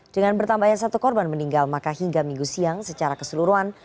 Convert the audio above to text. dengan bertambahnya satu korban meninggal maka hingga minggu siang secara keseluruhan